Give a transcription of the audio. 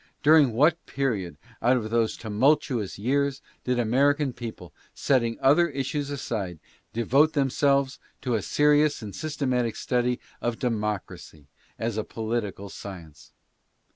During what period, out of those tumultuous years, did the American people, setting other issues aside, devote themselves to a serious and systematic study of democracy as a political science?